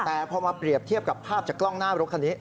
แต่พอมาเปรียบเทียบกับภาพจากกล้องหน้ารถคันนี้